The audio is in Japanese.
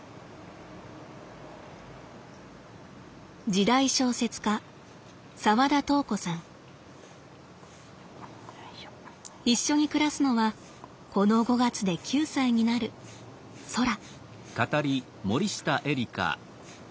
時代小説家一緒に暮らすのはこの５月で９歳になるそら。